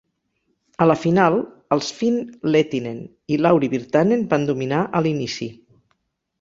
A la final, els Finns Lehtinen i Lauri Virtanen van dominar a l'inici.